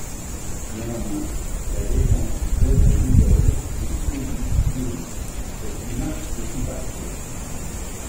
Néanmoins la défense d'œuvres nouvelles ou inédites lyriques est une marque de son parcours.